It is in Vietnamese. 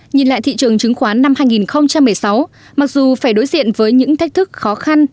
nhìn lại thị trường chứng khoán năm hai nghìn một mươi sáu mặc dù phải đối diện với những thách thức khó khăn